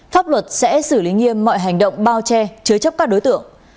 pháp luật sẽ xử lý nghiêm mọi hành động bao che chứa chấp các đối tượng